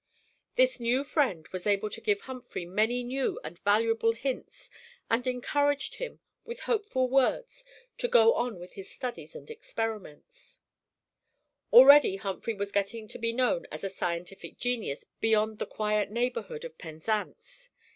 This new friend was able to give Humphry many new and valuable hints and encouraged him with hopeful words to go on with his studies and experiments. Already Humphry was getting to be known as a scientific genius beyond the quiet neighborhood of Penzance.